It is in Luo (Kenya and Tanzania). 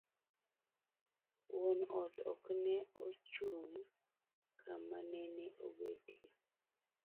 Wuon ot okne ochung' kama nene obetie